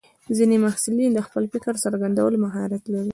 ځینې محصلین د خپل فکر څرګندولو مهارت لري.